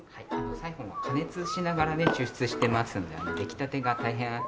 サイホンは加熱しながらね抽出してますんで出来たてが大変熱く。